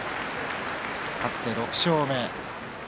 勝って６勝目です。